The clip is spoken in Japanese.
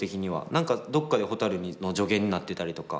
何かどっかでほたるの助言になってたりとか